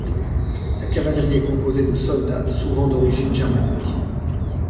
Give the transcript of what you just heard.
La cavalerie est composée de soldats souvent d'origine germanique.